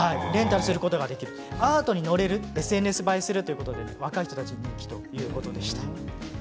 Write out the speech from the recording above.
アートに乗れるＳＮＳ映えするということで若い人たちに人気ということでした。